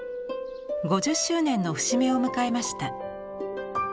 ５０周年の節目を迎えました。